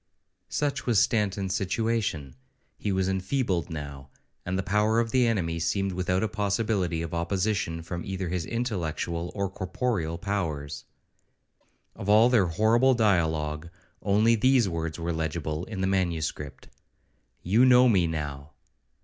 Such was Stanton's situation; he was enfeebled now, and the power of the enemy seemed without a possibility of opposition from either his intellectual or corporeal powers. Of all their horrible dialogue, only these words were legible in the manuscript, 'You know me now.'